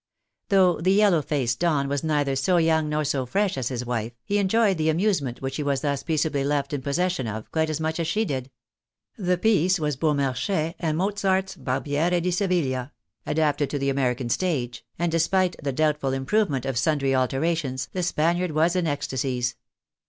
Though the yellow faced Don was neither so young nor so fresh as his wife, he enjoyed the amusement which he was thus peaceably left in possession of, quite as much as she did. The piece was Beaumarchais and Mozart's " Barbiere di ScvigUia," adapted to the American stage, and despite the doubtful improvement of sundry alterations, the Spaniard was in ecstasies.